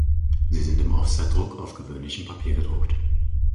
Sie sind im Offsetdruck auf gewöhnlichem Papier gedruckt.